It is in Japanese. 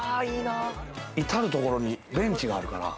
至るところにベンチがあるから。